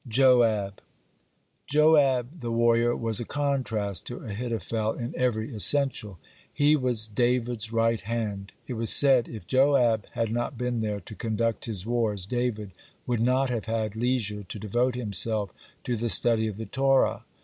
(74) JOAB Joab, the warrior, was a contrast to Ahithophel in every essential. He was David's right hand. It was said, if Joab had not been there to conduct his wars, David would not have had leisure to devote himself to the study of the Torah.